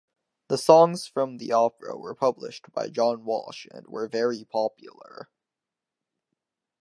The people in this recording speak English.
The songs from the opera were published by John Walsh and were very popular.